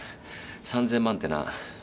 ３，０００万ってな